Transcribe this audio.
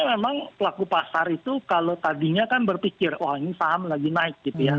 memang pelaku pasar itu kalau tadinya kan berpikir wah ini saham lagi naik gitu ya